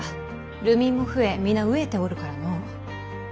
流民も増え皆飢えておるからの。